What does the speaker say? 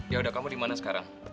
ya udah kamu dimana sekarang